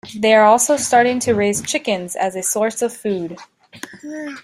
They are also starting to raise chickens as a source of food.